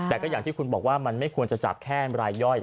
แต่ก็อย่างที่คุณบอกว่ามันไม่ควรจะจับแค่รายย่อย